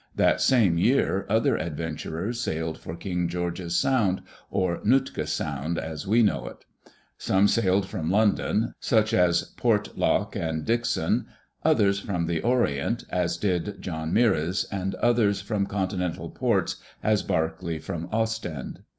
That same year other adventurers sailed for King George's Sound, or Nootka Sound as we know it. Some sailed from London, such as Portlock and Dixon, others from the Orient, as did John Meares, and others from conti nental ports, as Barkeley, from Ostend.